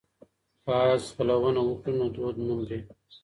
که اس ځغلونه وکړو نو دود نه مري.